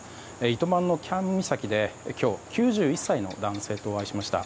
糸満の喜屋武岬で今日９１歳の男性とお会いしました。